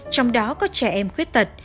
trong đó có trẻ em khuyết tật